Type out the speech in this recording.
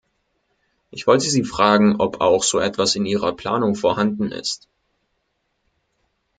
Ich wollte Sie fragen, ob auch so etwas in Ihrer Planung vorhanden ist.